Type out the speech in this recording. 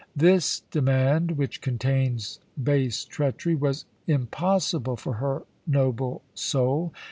"This demand, which contains base treachery, was impossible for her noble soul.